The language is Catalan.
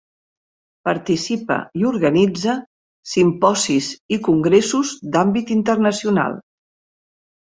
Participa i organitza simposis i congressos d'àmbit internacional.